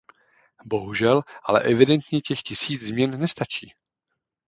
Bohužel ale evidentně těch tisíc změn nestačí.